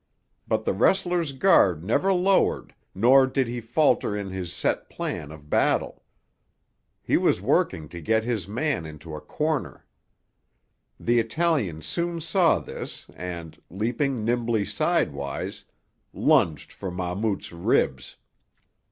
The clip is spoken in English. But the wrestler's guard never lowered nor did he falter in his set plan of battle. He was working to get his man into a corner. The Italian soon saw this and, leaping nimbly sidewise, lunged for Mahmout's ribs.